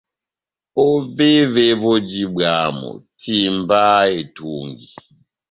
Ovévé voji bwámu, timbaha etungi.